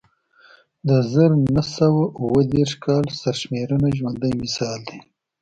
د زر نه سوه اووه دېرش کال سرشمېرنه ژوندی مثال دی